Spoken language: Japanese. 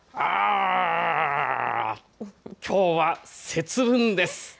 きょうは節分です。